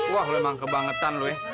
wah lu emang kebangetan lu ya